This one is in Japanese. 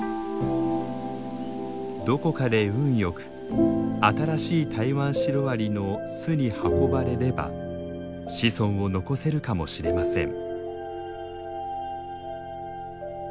どこかで運よく新しいタイワンシロアリの巣に運ばれれば子孫を残せるかもしれません。